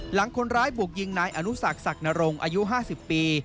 หลังคนร้ายบุกยิงนายอนุสักศักดิ์นรงค์อายุ๕๐ปี